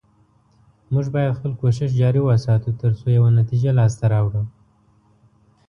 موږ باید خپل کوشش جاري وساتو، تر څو یوه نتیجه لاسته راوړو